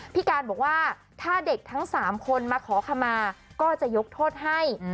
พี่การบอกว่าถ้าเด็กทั้ง๓คนมาขอขมาก็จะยกโทษให้